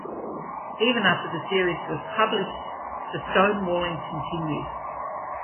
Even after the series was published, the stonewalling continued.